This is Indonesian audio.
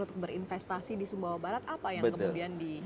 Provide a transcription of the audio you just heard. untuk berinvestasi di subawabarat apa yang kemudian diunggulkan